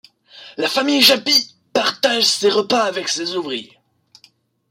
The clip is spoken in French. La famille Japy partage ses repas avec ses ouvriers.